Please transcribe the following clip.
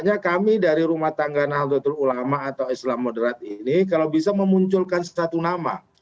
hanya kami dari rumah tangga nahdlatul ulama atau islam moderat ini kalau bisa memunculkan satu nama